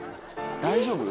大丈夫？